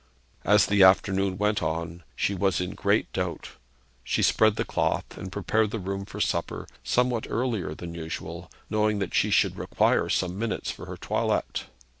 As the afternoon went on she was in great doubt. She spread the cloth, and prepared the room for supper, somewhat earlier than usual, knowing that she should require some minutes for her toilet.